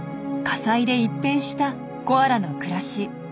火災で一変したコアラの暮らし。